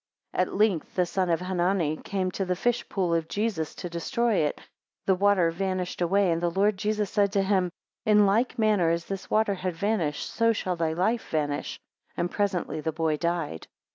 20 At length the son of Hanani coming to the fish pool of Jesus to destroy it, the water vanished away, and the Lord Jesus said to him, 21 In like manner as this water had vanished, so shall thy life vanish; and presently the boy died.